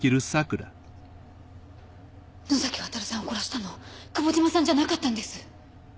能崎亘さんを殺したのは久保島さんじゃなかったんです。